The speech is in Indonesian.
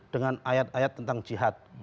dengan ayat ayat tentang jihad